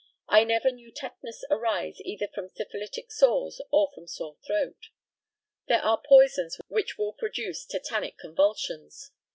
I never knew tetanus arise either from syphilitic sores or from sore throat. There are poisons which will produce tetanic convulsions.